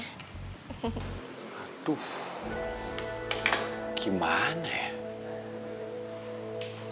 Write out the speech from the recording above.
aduh gimana ya